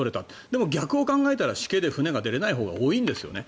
でも逆を考えたらしけで船が出れないほうが多いんですよね。